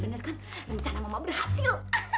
bener kan rencana mama berhasil